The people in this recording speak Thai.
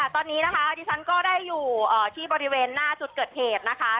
ตอนนี้นะคะที่ฉันก็ได้อยู่ที่บริเวณหน้าจุดเกิดเหตุนะคะ